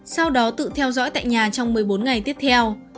sau đó tự theo dõi tại nhà trong một mươi bốn ngày tiếp theo